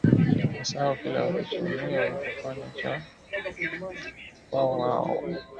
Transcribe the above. asahau kile walichotumwa wakafanya cha kwao wao